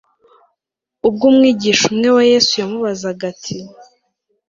Ubgumwigishwumwe wa Yesu yamubazagati